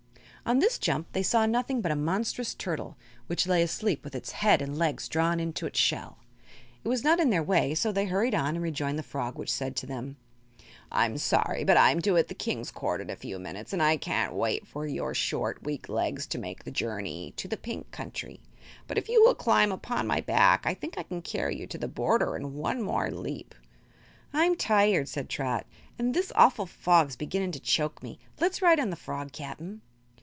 On this jump they saw nothing but a monstrous turtle, which lay asleep with its head and legs drawn into its shell. It was not in their way, so they hurried on and rejoined the frog, which said to them: "I'm sorry, but I'm due at the King's Court in a few minutes and I can't wait for your short, weak legs to make the journey to the Pink Country. But if you will climb upon my back I think I can carry you to the border in one more leap." "I'm tired," said Trot, "an' this awful fog's beginnin' to choke me. Let's ride on the frog, Cap'n."